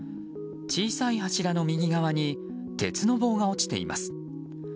小さい柱の右側に鉄の棒が落ちています。